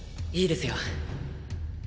いいですよ。